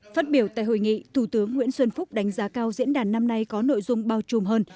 phát biểu tại hội nghị thủ tướng nguyễn xuân phúc đánh giá cao diễn đàn năm nay có nội dung bao trùm hơn